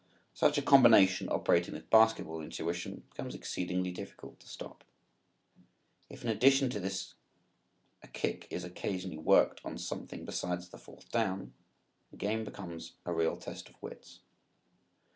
Such a combination, operating with basketball intuition, becomes exceedingly difficult to stop. If in addition to this a kick is occasionally worked on something besides the fourth down, the game becomes a real test of wits.